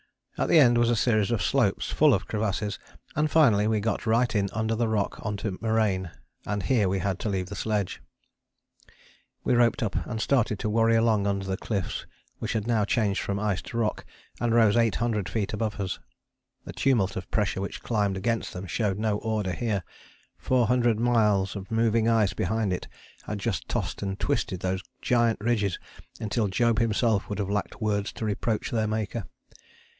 At the end was a series of slopes full of crevasses, and finally we got right in under the rock on to moraine, and here we had to leave the sledge. We roped up, and started to worry along under the cliffs, which had now changed from ice to rock, and rose 800 feet above us. The tumult of pressure which climbed against them showed no order here. Four hundred miles of moving ice behind it had just tossed and twisted those giant ridges until Job himself would have lacked words to reproach their Maker.